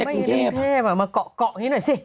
เมื่อกี้มีแพ้เหมามาเกาะอย่างนี้หน่อยสิ